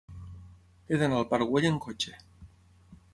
He d'anar al parc Güell amb cotxe.